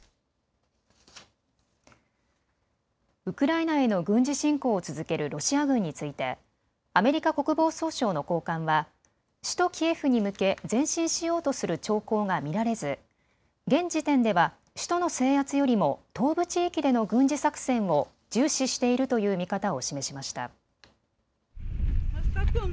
ウクライナへの軍事侵攻を続けるロシア軍についてアメリカ国防総省の高官は首都キエフに向け前進しようとする兆候が見られず現時点では、首都の制圧よりも東部地域での軍事作戦を重視しているという見方を示しました。